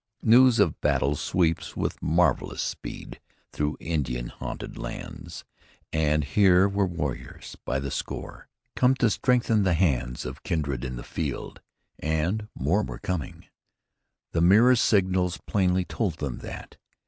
News of battle sweeps with marvellous speed through Indian haunted lands, and here were warriors by the score, come to strengthen the hands of kindred in the field, and, more were coming. The mirror signals plainly told them that.